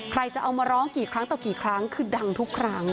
ใครจะเอามาร้องกี่ครั้งต่อกี่ครั้งคือดังทุกครั้ง